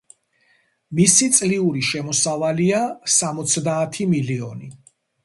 მისი წლიური შემოსავალია სამოცდაათი მილიონი.